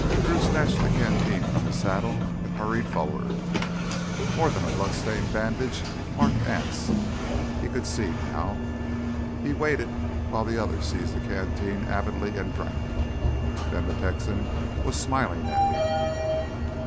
Drew snatched the canteen from his saddle and hurried forward. More than a bloodstained bandage marked Anse, he could see now. He waited while the other seized the canteen avidly and drank. Then the Texan was smiling at him.